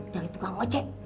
dari tukang ojek